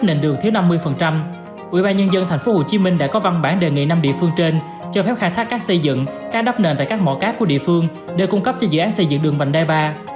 nhân dân thành phố hồ chí minh đã có văn bản đề nghị năm địa phương trên cho phép khai thác các xây dựng các đắp nền tại các mỏ cát của địa phương để cung cấp cho dự án xây dựng đường vành đai ba